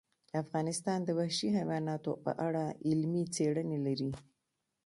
افغانستان د وحشي حیواناتو په اړه علمي څېړنې لري.